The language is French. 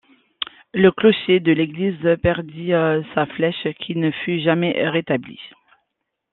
Le clocher de l'église perdit sa flèche qui ne fut jamais rétablie.